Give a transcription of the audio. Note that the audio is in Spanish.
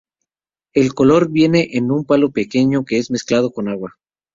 El color viene en un palo pequeño que es mezclado con agua.